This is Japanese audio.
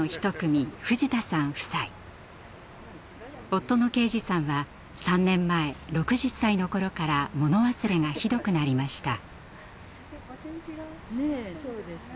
夫の佳児さんは３年前６０歳の頃から物忘れがひどくなりました。